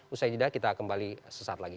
usai jeda kita kembali sesaat lagi